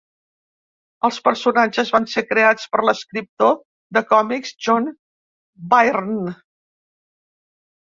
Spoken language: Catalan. Els personatges van ser creats per l'escriptor de còmics John Byrne.